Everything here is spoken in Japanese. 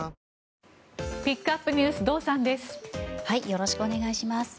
よろしくお願いします。